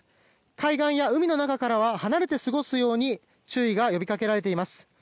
海岸や海の中からは離れて過ごすように注意が呼びかけられています。